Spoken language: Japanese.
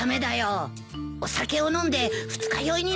お酒を飲んで二日酔いになると困るからね。